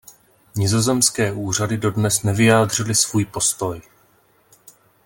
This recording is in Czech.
Nizozemské úřady dodnes nevyjádřily svůj postoj.